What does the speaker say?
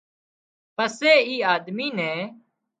پسي اي آۮمي نين